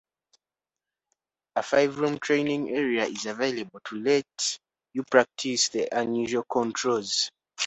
A five-room training area is available to let you practice the unusual controls.